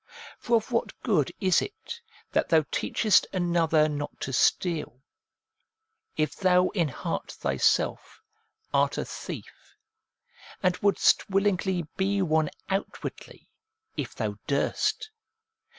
For of what good is it that thou teachest another not to steal, if thou in heart thyself art a thief, and wouldst willingly be one outwardly, if thou durst